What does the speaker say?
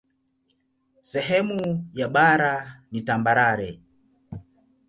Sehemu ya bara ni tambarare.